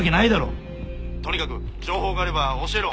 とにかく情報があれば教えろ。